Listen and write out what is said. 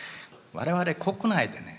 我々国内でね